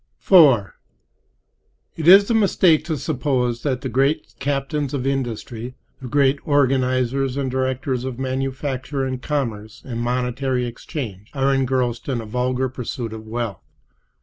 IV It is a mistake to suppose that the great captains of industry, the great organizers and directors of manufacture and commerce and monetary exchange, are engrossed in a vulgar pursuit of wealth.